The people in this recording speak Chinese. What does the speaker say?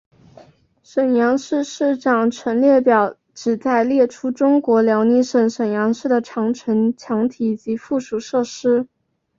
沈阳市长城列表旨在列出中国辽宁省沈阳市的长城墙体及附属设施。